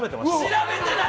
調べてない！